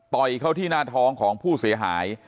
ต่อยเขาที่หน้าท้องของผู้เสียหาย